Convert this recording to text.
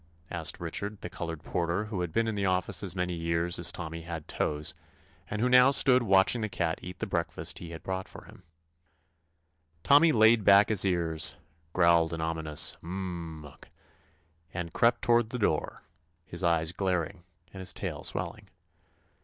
asked Richard, the colored porter, who had been in the office as many years as "Come back, an' eat yo' breakfus'." Tommy had toes, and who now stood watching the cat eat the breakfast he had brought for him. 119 THE ADVENTURES OF Tommy laid back his ears, growled an ominous "M m m ugl" and crept toward the door, his eyes glaring and his tail swelling.